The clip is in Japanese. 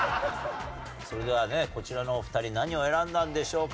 それではねこちらのお二人何を選んだんでしょうか？